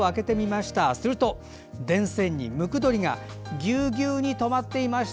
すると、なんと電線にムクドリがぎゅうぎゅうに止まっていました。